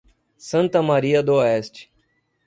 Santa Maria do Oeste